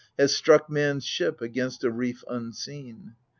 Has struck man's ship against a reef unseen.